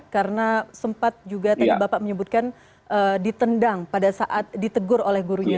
karena sempat juga tadi bapak menyebutkan ditendang pada saat ditegur oleh gurunya